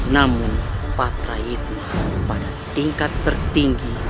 namun patra itu pada tingkat tertinggi